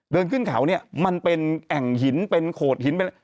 เดินขึ้นเขาเนี่ยมันเป็นแอ่งหินเป็นโขดหินเป็น